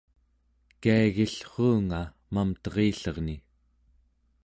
kiagillruunga Mamterillerni